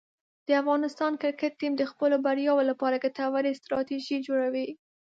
د افغانستان کرکټ ټیم د خپلو بریاوو لپاره ګټورې ستراتیژۍ جوړوي.